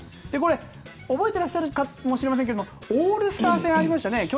これは覚えていらっしゃるかもしれませんがオールスター戦ありましたよね。